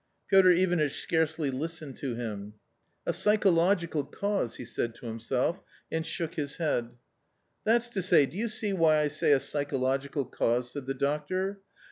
Piotr Ivanitch scarcely listened to him. " A psychological cause," he said to himself, and shook his head. " That's to say, do you see why I say a psychological cause?" said the doctor.